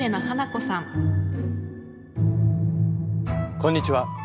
こんにちは。